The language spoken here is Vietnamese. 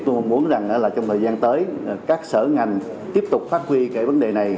tôi muốn rằng là trong thời gian tới các sở ngành tiếp tục phát huy cái vấn đề này